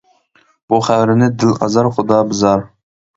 بۇ خەۋەرنى دىل ئازار، خۇدا بىزار.